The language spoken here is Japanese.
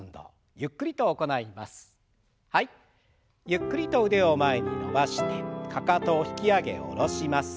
ゆっくりと腕を前に伸ばしてかかとを引き上げ下ろします。